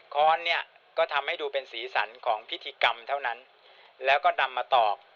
ค้อนเนี่ยก็ทำให้ดูเป็นสีสันของพิธีกรรมเท่านั้นแล้วก็นำมาตอก